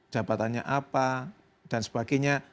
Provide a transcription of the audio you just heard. jabatannya apa dan sebagainya